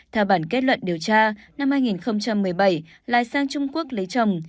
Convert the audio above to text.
theo bản kết luận điều tra năm hai nghìn một mươi bảy lai sang trung quốc lấy chồng